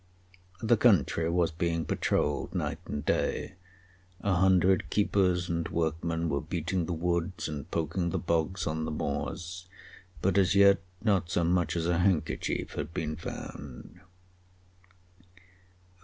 The country was being patrolled night and day. A hundred keepers and workmen were beating the woods and poking the bogs on the moors, but as yet not so much as a handkerchief had been found.